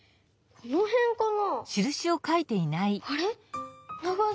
このへんかな？